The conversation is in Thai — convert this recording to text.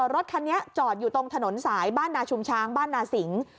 รถคันนี้จอดอยู่ตรงถนนสายบ้านนาชุมช้างบ้านนาสิง